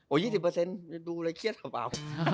โอ้ย๒๐เปอร์เซ็นต์ดูเลยเครียดเท่า